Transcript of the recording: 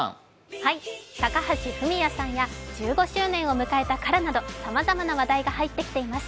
高橋文哉さんや１５周年を迎えたＫＡＲＡなどさまざまな話題が入ってきています。